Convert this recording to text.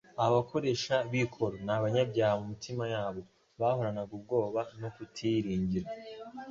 Abakoresha b'ikoro n'abanyabyaha mu mitima yabo bahoranaga ubwoba no kutiyiringira;